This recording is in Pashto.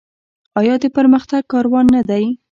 آیا د پرمختګ کاروان نه دی؟